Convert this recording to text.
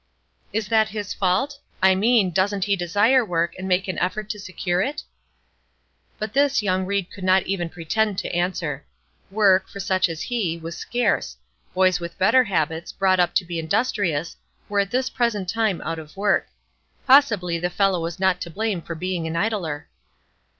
"Is that his fault? I mean, doesn't he desire work, and make an effort to secure it?" But this young Ried could not even pretend to answer. Work, for such as he, was scarce; boys with better habits, brought up to be industrious, were at this present time out of work. Possibly the fellow was not to blame for being an idler.